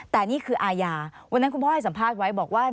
แต่นี่คืออาญาวันนั้นคุณพ่อให้สัมภาษณ์ไว้บอกว่า